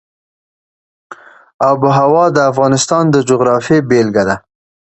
آب وهوا د افغانستان د جغرافیې بېلګه ده.